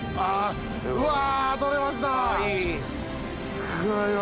すごいわ。